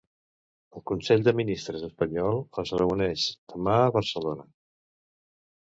El Consell de Ministres espanyol es reuneix demà a Barcelona.